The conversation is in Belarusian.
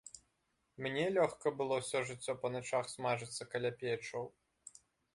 Мне лёгка было ўсё жыццё па начах смажыцца каля печаў?